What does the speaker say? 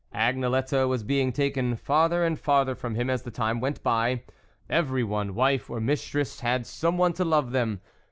Agnelette was being taken farther and i'arther From him as the time went by ; every one, wife or mistress, had someone to love them.